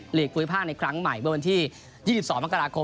ลีกภูมิภาคในครั้งใหม่เมื่อวันที่๒๒มกราคม